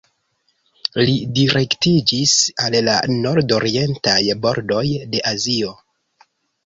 Li direktiĝis al la nordorientaj bordoj de Azio.